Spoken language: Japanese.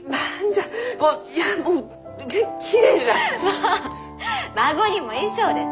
もう「馬子にも衣装」です！